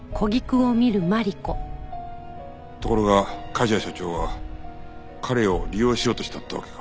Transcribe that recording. ところが梶谷社長は彼を利用しようとしたってわけか。